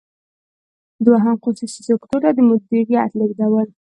دوهم: خصوصي سکتور ته د مدیریت لیږدول.